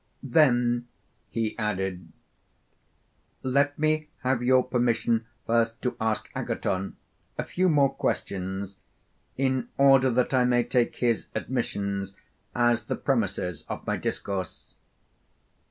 Then, he added, let me have your permission first to ask Agathon a few more questions, in order that I may take his admissions as the premisses of my discourse.